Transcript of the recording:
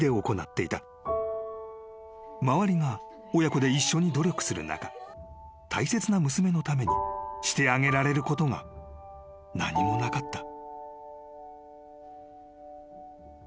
［周りが親子で一緒に努力する中大切な娘のためにしてあげられることが何もなかった］